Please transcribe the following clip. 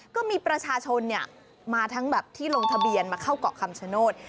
ก็มีประชาชนมาทั้งแบบที่ลงทะเบียนมาเข้าเกาะคำชโนธ